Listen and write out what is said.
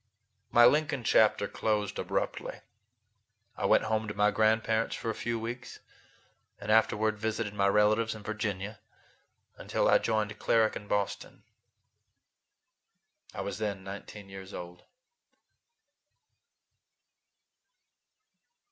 My Lincoln chapter closed abruptly. I went home to my grandparents for a few weeks, and afterward visited my relatives in Virginia until I joined Cleric in Boston. I was then nineteen years old.